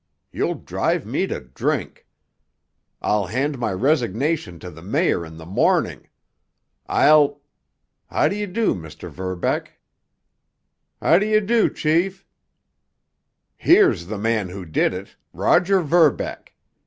You'll drive me to drink! I'll hand my resignation to the mayor in the morning! I'll—— How d'you do, Mr. Verbeck?" "How do you do, chief?" "Here's the man who did it—Roger Verbeck!